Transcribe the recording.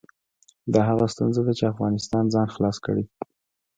دا هغه ستونزه ده چې افغانستان ځان خلاص کړي.